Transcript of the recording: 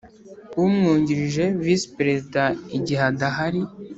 umwungirije Visi Perezida igihe adahari